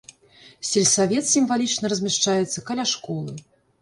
Сельсавет сімвалічна размяшчаецца каля школы.